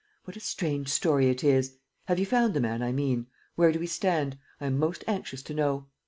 What a strange story it is! Have you found the man I mean? Where do we stand? I am most anxious to know.'